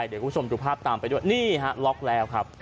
เดี๋ยวคุณผู้ชมดูภาพตามไปด้วยนี่ฮะล็อกแล้วครับ